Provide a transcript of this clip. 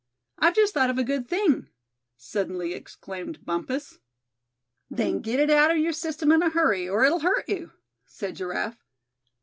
"I've just thought of a good thing," suddenly exclaimed Bumpus. "Then get it out of your system in a hurry, or it'll hurt you," said Giraffe.